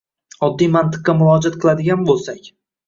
Oddiy mantiqqa murojaat qiladigan bo‘lsak